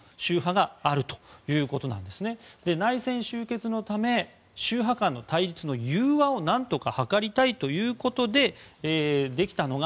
内戦終結のため宗派間の対立の融和を何とか図りたいということでできたのが